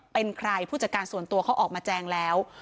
เป็นใครผู้จัดการส่วนตัวเขาออกมาแจงแล้ว